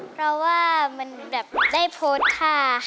เพราะว่ามันแบบได้โพสต์ค่ะ